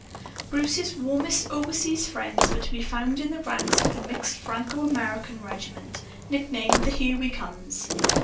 Bruce's warmest overseas friends were to be found in the ranks of the mixed Franco American regiment, nicknamed the "Here We Comes."